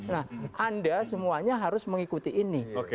nah anda semuanya harus mengikuti ini